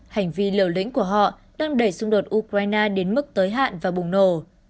hành vi liều lĩnh của họ đang đẩy xung đột ukraine đến mức tới hạn và bùng nổ